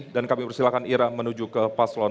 dan kami persilahkan ira menuju ke paslon dua